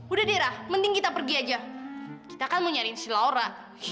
udah deh rah mending kita pergi aja kita kan mau nyariin si laura